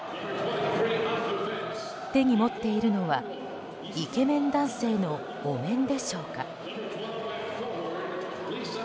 手に持っているのはイケメン男性のお面でしょうか？